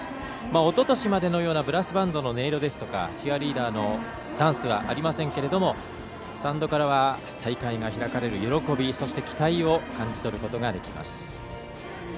おととしまでのようなブラスバンドの音色ですとかチアリーダーのダンスはありませんけれどもスタンドからは大会が開かれる喜びと期待を感じ取ることができます。